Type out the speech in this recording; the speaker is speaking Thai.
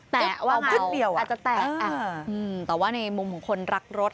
แปะว่าเหงาอาจจะแปะอ่ะอืมแต่ว่าในมุมของคนรักรถ